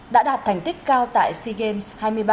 đã đạt thành tích cao tại sea games hai mươi ba